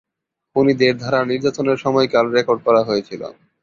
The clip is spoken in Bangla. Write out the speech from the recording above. খুনিদের দ্বারা নির্যাতনের সময়কাল রেকর্ড করা হয়েছিল।